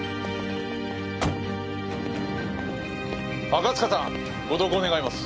赤塚さんご同行願います。